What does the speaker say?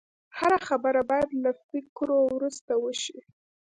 هره خبره باید له فکرو وروسته وشي